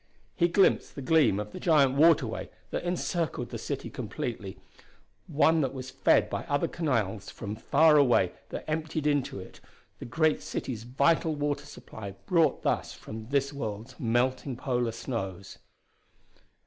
He glimpsed the gleam of the giant waterway that encircled the city completely, one that was fed by other canals from far away that emptied into it, the great city's vital water supply brought thus from this world's melting polar snows.